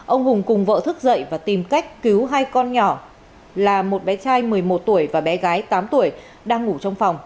ông hùng cùng vợ thức dậy và tìm cách cứu hai con nhỏ là một bé trai một mươi một tuổi và bé gái tám tuổi đang ngủ trong phòng